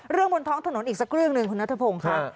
บนท้องถนนอีกสักเรื่องหนึ่งคุณนัทพงศ์ค่ะ